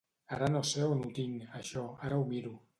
Ara no sé on ho tinc, això, ara ho miro.